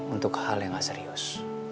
untuk hal yang gak serius